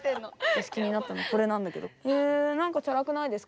私、気になったのこれなんだけど。